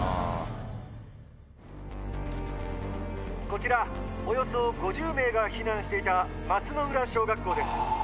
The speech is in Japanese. こちらおよそ５０名が避難していたマツノウラ小学校です。